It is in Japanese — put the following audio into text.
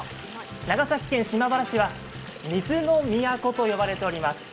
長崎県島原市は水の都と呼ばれております。